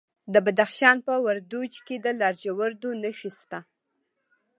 د بدخشان په وردوج کې د لاجوردو نښې شته.